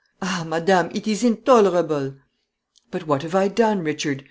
Ah, madame, it is intolerable." "But what have I done, Richard?"